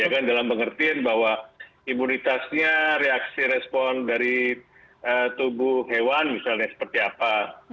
ya kan dalam pengertian bahwa imunitasnya reaksi respon dari tubuh hewan misalnya seperti apa